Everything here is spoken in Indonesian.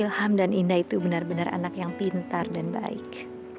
ilham dan indah itu benar benar anak yang pintar dan baik